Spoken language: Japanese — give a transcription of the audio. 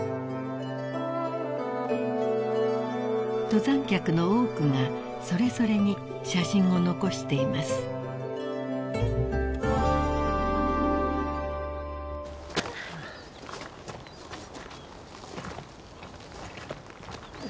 ［登山客の多くがそれぞれに写真を残しています］よいしょ。